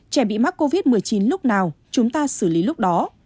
trẻ bị mắc covid một mươi chín lúc nào chúng ta xử lý lúc đó